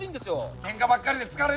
ケンカばっかりで疲れる！